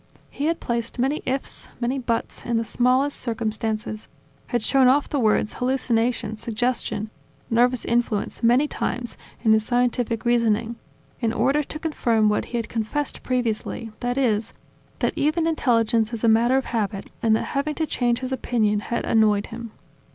He had placed many "ifs," many "buts" in the smallest circumstances, had shown off the words "hallucination" "suggestion" "nervous influence" many times in his scientific reasoning, in order to confirm what he had confessed previously, that is: that even intelligence is a matter of habit and that having to change his opinion had annoyed him.